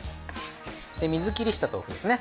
水切りした豆腐ですね。